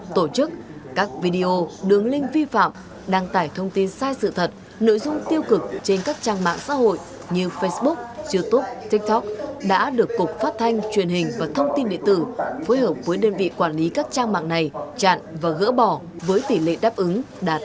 tổ chức các video đường link vi phạm đăng tải thông tin sai sự thật nội dung tiêu cực trên các trang mạng xã hội như facebook youtube tiktok đã được cục phát thanh truyền hình và thông tin địa tử phối hợp với đơn vị quản lý các trang mạng này chặn và gỡ bỏ với tỷ lệ đáp ứng đạt tám mươi